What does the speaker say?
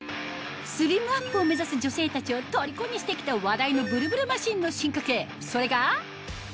スリムアップを目指す女性たちを虜にして来た話題のブルブルマシンの進化形